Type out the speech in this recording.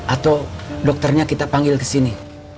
atau dokternya kita panggil kesini